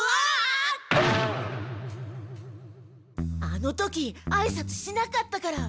あの時あいさつしなかったから。